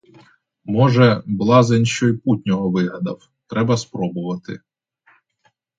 Може, блазень що й путнього вигадав, треба спробувати.